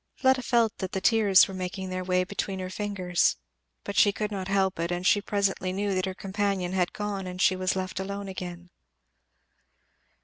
Fleda felt that the tears were making their way between her fingers, but she could not help it; and she presently knew that her companion had gone and she was left alone again.